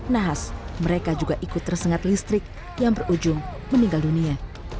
nahas mereka juga ikut tersengat listrik yang berujung meninggal dunia